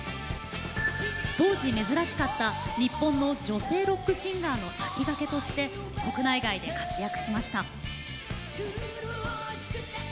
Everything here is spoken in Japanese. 当時、珍しかった日本の女性ロックシンガーの先駆けとして国内外で活躍しました。